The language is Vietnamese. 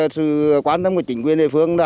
sự quan tâm của chính quyền đề phương